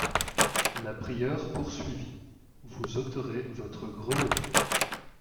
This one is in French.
La prieure poursuivit : Vous ôterez votre grelot.